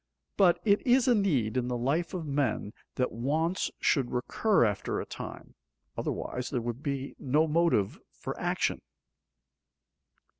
But it is a need in the life of men that wants should recur after a time, otherwise there would be no motive for action.